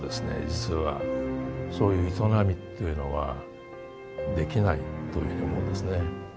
実はそういう営みというのはできないというふうに思うんですね。